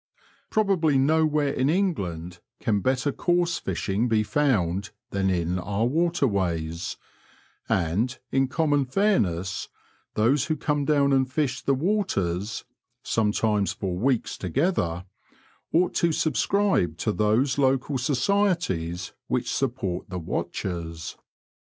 Probably nowhere in England can better coarse fishing be found than in our waterways, and, in common fairness, those who come down and fish the waters (sometimes for weeks together) ought to subscribe to those local societies which support the watchers.